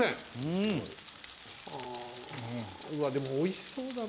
うわっでもおいしそうだな。